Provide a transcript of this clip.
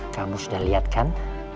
kamu sudah liat kan